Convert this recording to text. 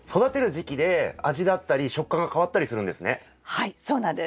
はいそうなんです。